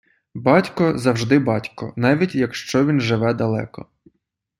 Батько – завжди батько, навіть якщо він живе далеко.